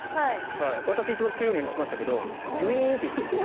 私、一番強いのにしましたけどギュイーンといってます。